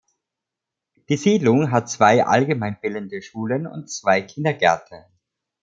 Die Siedlung hat zwei allgemeinbildende Schulen und zwei Kindergärten.